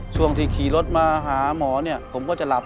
ช่วงที่ขี่รถมาหาหมอเนี่ยผมก็จะหลับ